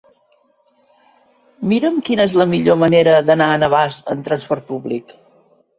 Mira'm quina és la millor manera d'anar a Navàs amb trasport públic.